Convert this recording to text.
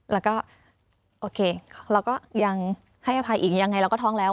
แล้วก็โอเคเราก็ยังให้อภัยอีกยังไงเราก็ท้องแล้ว